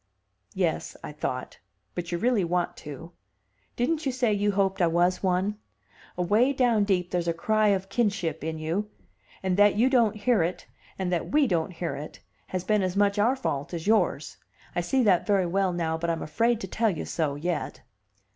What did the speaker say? ("Yes," I thought, "but you really want to. Didn't you say you hoped I was one? Away down deep there's a cry of kinship in you; and that you don't hear it, and that we don't hear it, has been as much our fault as yours. I see that very well now, but I'm afraid to tell you so, yet.")